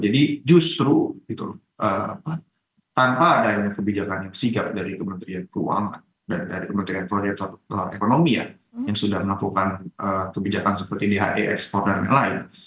jadi justru tanpa adanya kebijakan yang sigap dari kementerian keuangan dan dari kementerian korporasi ekonomi yang sudah melakukan kebijakan seperti dhe ekspor dan lain lain